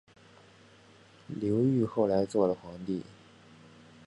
刘裕后来做了皇帝。